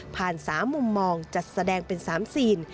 ๓มุมมองจัดแสดงเป็น๓ซีน